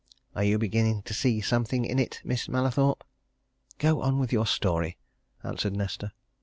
Are you beginning to see something in it, Miss Mallathorpe?" "Go on with your story," answered Nesta.